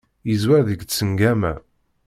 Yeẓwer deg tsengama.